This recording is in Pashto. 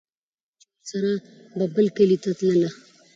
چې ورسره به بل کلي ته تلله